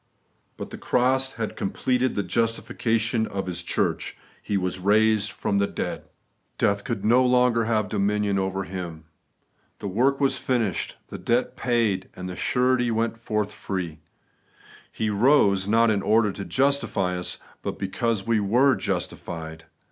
But the cross had completed the justifi cation of His church. He was raised from the dead. The Completeness of the Svhstitution. 41 Death could no longer have dominion over Him. The work was finished, the debt paid, and the surety went forth free : He rose, not in order to justify us, but because we were justified.